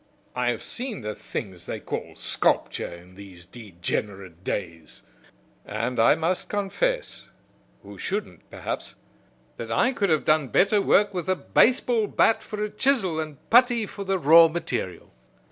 I have seen the things they call sculpture in these degenerate days, and I must confess who shouldn't, perhaps that I could have done better work with a baseball bat for a chisel and putty for the raw material."